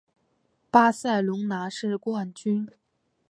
巴塞隆拿是冠军。